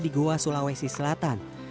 di goa sulawesi selatan